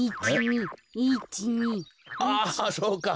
あそうか。